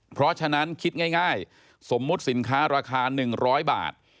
เพราะฉะนั้นคิดง่ายสมมุติสินค้าราคา๑๐๐บาท